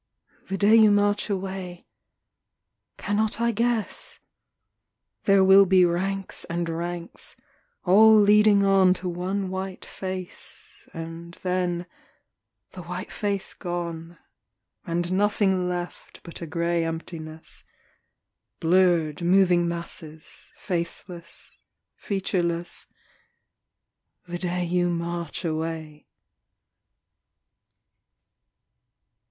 The day you march away cannot I guess? There will be ranks and ranks, all leading on To one white face, and then the white face gone, And nothing left but a gray emptiness Blurred moving masses, faceless, featureless The day you march away.